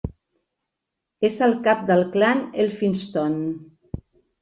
És el cap del clan Elphinstone.